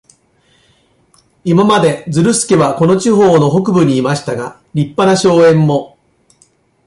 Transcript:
今まで、ズルスケはこの地方の北部にいましたが、立派な荘園も、